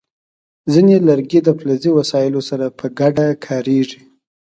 ځینې لرګي د فلزي وسایلو سره په ګډه کارېږي.